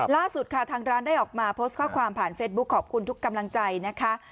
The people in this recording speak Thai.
ล่าสุดค่ะทางร้านได้ออกมาโพสต์ข้อความผ่านเฟซบุ๊คขอบคุณทุกกำลังใจนะคะ